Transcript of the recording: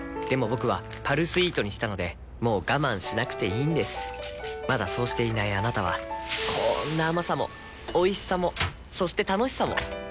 僕は「パルスイート」にしたのでもう我慢しなくていいんですまだそうしていないあなたはこんな甘さもおいしさもそして楽しさもあちっ。